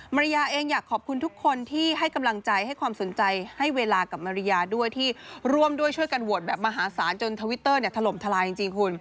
มาริยาเองอยากขอบคุณทุกคนที่ให้กำลังใจให้ความสนใจให้เวลากับมาริยาด้วยที่ร่วมด้วยช่วยกันโหวตแบบมหาศาลจนทวิตเตอร์เนี่ยถล่มทลายจริงคุณ